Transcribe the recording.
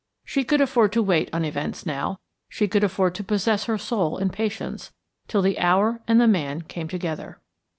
She could afford to wait on events now; she could afford to possess her soul in patience till the hour and the man came together.